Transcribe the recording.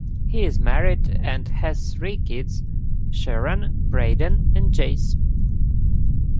He is married and has three kids- Sheehan, Brayden and Jayce.